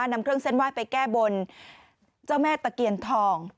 นำเครื่องเส้นไหว้ไปแก้บนเจ้าแม่ตะเคียนทอง